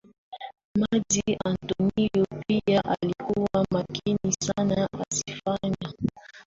maji Antonio pia alikuwa makini sana asifanye